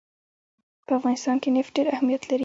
په افغانستان کې نفت ډېر اهمیت لري.